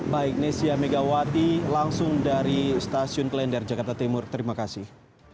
baik nesya megawati langsung dari stasiun klender jakarta timur terima kasih